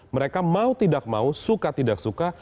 mereka mau tidak mau suka tidak suka